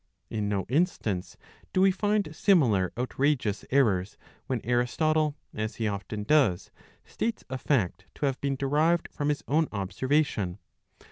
In no instance do we find similar outrageous errors, when Aristotle, as he often does, states a fact to have been derived from his own observation.